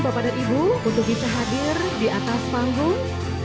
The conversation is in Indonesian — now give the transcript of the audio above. bapak dan ibu untuk bisa hadir di atas panggung